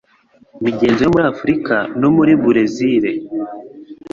imigenzo yo muri Afurika no muri Burezili,